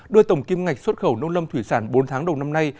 đưa tổng kim ngạch xuất khẩu nông lâm thủy sản bốn tháng đầu năm nay